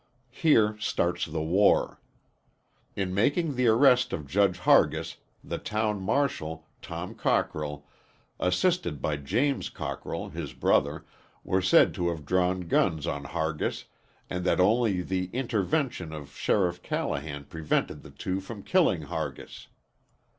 Here starts the war. In making the arrest of Judge Hargis, the town marshal, Tom Cockrell, assisted by James Cockrell, his brother, were said to have drawn guns on Hargis and that only the intervention of Sheriff Callahan prevented the two from killing Hargis.